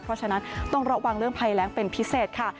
เพราะฉะนั้นต้องระวังเรื่องภัยแรงเป็นพิเศษค่ะ